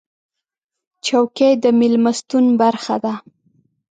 چوکۍ د میلمستون برخه ده.